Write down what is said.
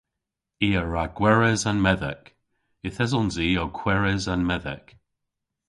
I a wra gweres an medhek. Yth esons i ow kweres an medhek.